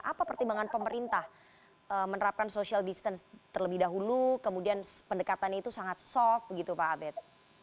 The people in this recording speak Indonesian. apa pertimbangan pemerintah menerapkan social distance terlebih dahulu kemudian pendekatannya itu sangat soft gitu pak abed